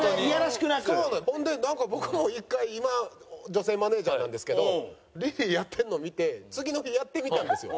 ほんで僕も一回今女性マネジャーなんですけどリリーやってるの見て次の日やってみたんですよ。